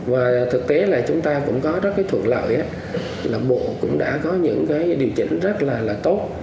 và thực tế là chúng ta cũng có rất cái thuận lợi là bộ cũng đã có những cái điều chỉnh rất là tốt